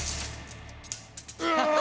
うわ！